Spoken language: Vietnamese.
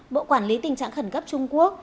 bộ quản lý tình trạng khẩn cấp trung quốc